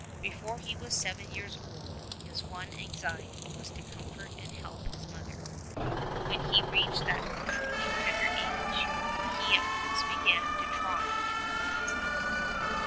Before he was seven years old his one anxiety was to comfort and help his mother; when he reached that truly tender age he at once began to try and earn his living.